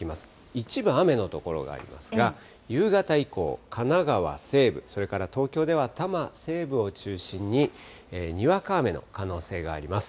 一部雨の所があるんですが、夕方以降、神奈川西部、それから東京では多摩西部を中心に、にわか雨の可能性があります。